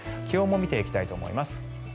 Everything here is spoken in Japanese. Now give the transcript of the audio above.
気温も見ていきたいと思います。